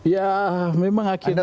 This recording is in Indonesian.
ya memang akhirnya